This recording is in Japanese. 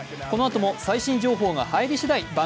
このあとも最新情報が入りしだい